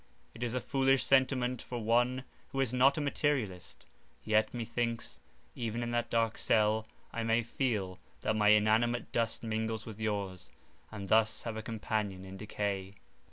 It is a foolish sentiment for one who is not a materialist, yet, methinks, even in that dark cell, I may feel that my inanimate dust mingles with yours, and thus have a companion in decay."